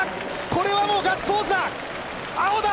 これはガッツポーズだ。